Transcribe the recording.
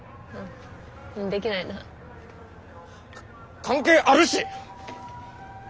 できないな。か関係あるし！